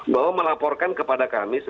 bahwa melaporkan kepada kami sebelas tiga puluh